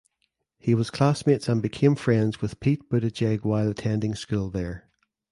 He was classmates and became friends with Pete Buttigieg while attending school there.